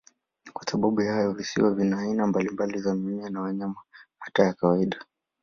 Kwa sababu ya hayo, visiwa vina aina mbalimbali za mimea na wanyama, hata kawaida.